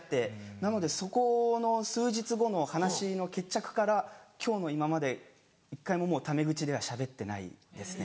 なのでそこの数日後の話の決着から今日の今まで１回ももうタメ口ではしゃべってないですね。